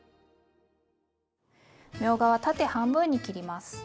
みょうがは縦半分に切ります。